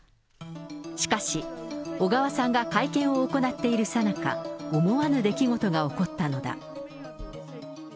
しかし、小川さんが会見を行っているさなか、思わぬ出来事が起こったのだ。